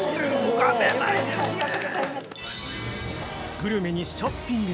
◆グルメにショッピング